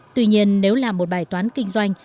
tuy nhiên nếu làm một bài toán kinh doanh